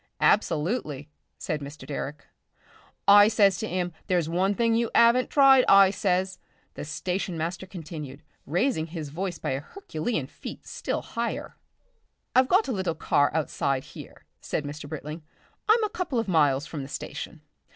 "Absolutely," said Mr. Direck. "I says to 'im, 'there's one thing you 'aven't tried,' I says," the station master continued, raising his voice by a Herculean feat still higher. "I've got a little car outside here," said Mr. Britling. "I'm a couple of miles from the station."